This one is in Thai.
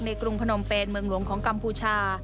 กรุงพนมเป็นเมืองหลวงของกัมพูชา